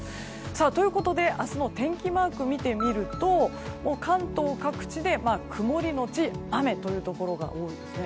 ということで明日の天気マークを見てみると関東各地で曇りのち雨というところが多いです。